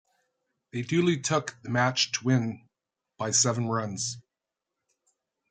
They duly took the match to win by seven runs.